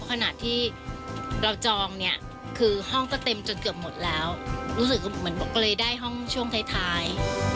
ขณะที่เราจองห้องก็เต็มถึงเกือบหมดแล้วรู้สึกเหมือนปล่อยได้ห้องช่วงท้าย